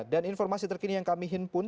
dan informasi terkini yang kami hinpun